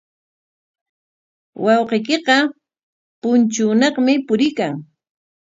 Wawqiykiqa punchuunaqmi puriykan.